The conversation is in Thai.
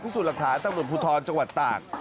พิสูจน์หลักฐานตรวจพุทธรจังหวัดตาก